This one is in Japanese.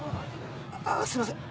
ああすいません。